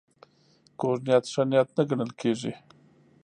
کوږ نیت ښه نیت نه ګڼل کېږي